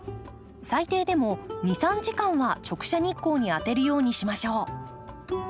最低でも２３時間は直射日光に当てるようにしましょう。